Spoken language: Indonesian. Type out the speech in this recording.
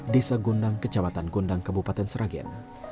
desa gondang kecamatan gondang kebupaten sragen